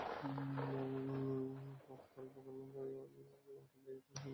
ফলত অল্পকালমধ্যেই ঐ অলঙ্কার লইয়া অত্যন্ত আন্দোলন হইতে লাগিল।